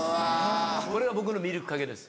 これが僕のミルクかけです。